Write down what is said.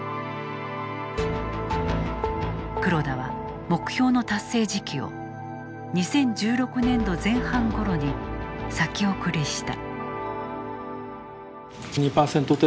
黒田は、目標の達成時期を２０１６年度前半ごろに先送りした。